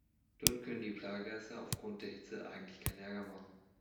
Dort können die Plagegeister aufgrund der Hitze eigentlich keinen Ärger machen.